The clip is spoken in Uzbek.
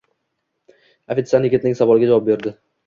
Ofitsiant yigitning savoliga javob berdi.